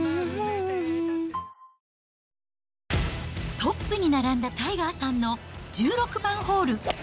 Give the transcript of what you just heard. トップに並んだタイガーさんの１６番ホール。